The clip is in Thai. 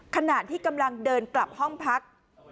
ขณะที่กำลังเดินกลับห้องพัก